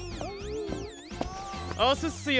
おすっすよ。